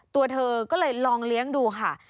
ตัวเธอก็เลยลองเลี้ยงดูค่ะ